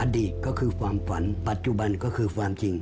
อดีตก็คือความฝันปัจจุบันก็คือความจริง